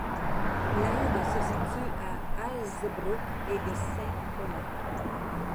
Lynde se situe à d'Hazebrouck et de Saint-Omer.